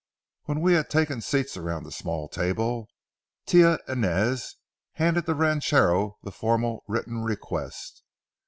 When we had taken seats around a small table, Tia Inez handed the ranchero the formal written request.